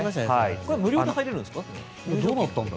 これは無料で入れるんですか？